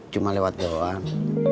cuma lewat doang